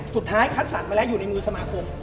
สุดท้ายคัดสรรค์มาแล้วอยู่ในมือสมาคม